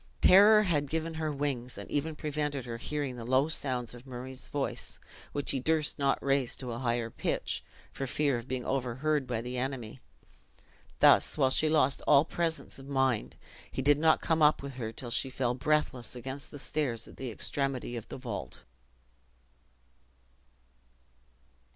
Terror had given her wings, and even prevented her hearing the low sounds of Murray's voice, which he durst not raise to a higher pitch, for fear of being overheard by the enemy. Thus, while she lost all presence of mind, he did not come up with her till she fell breathless against he stairs at the extremity of the vault.